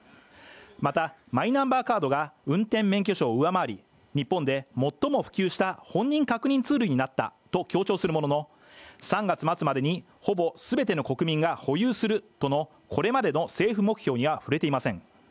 また、マイナンバーカードが運転免許証を上回り日本で最も普及した本人確認ツールになったと強調するものの、３月末までにほぼ全ての国民が保有するとのこれまでの政府目標には触れていません。